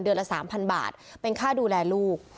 เดือนละ๓๐๐๐บาทเป็นค่าดูแลลูก